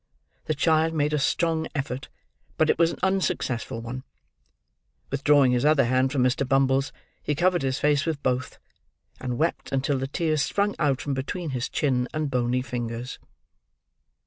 The child made a strong effort, but it was an unsuccessful one. Withdrawing his other hand from Mr. Bumble's he covered his face with both; and wept until the tears sprung out from between his chin and bony fingers.